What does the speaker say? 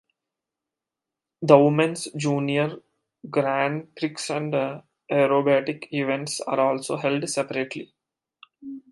The women's, junior, grand prix and aerobatic events are also held separately.